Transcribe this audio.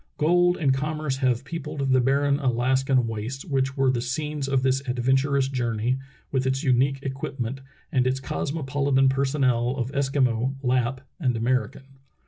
Gold and commerce have peopled the barren Alaskan wastes which were the scenes of this adventurous jour ney with its unique equipment and its cosmopolitan personnel of Eskimo, Lapp, and American.